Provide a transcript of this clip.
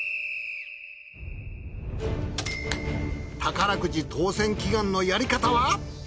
宝くじ当選祈願のやり方は？